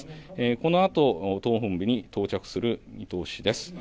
このあと党本部に到着する見通しです。